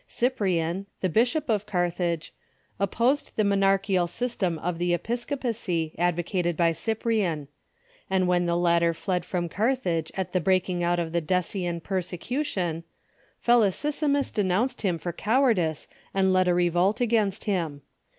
Cyprian, the Bishop of Carthage, opposed the monarchical sys tem of the episcopacy advocated by Cyprian ; and when the latter fled from Carthage at the breaking out of the Decian persecution, Felicissimus denounced him for cowardice and led a revolt against him.